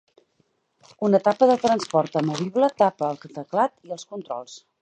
Una tapa de transport amovible tapa el teclat i els controls.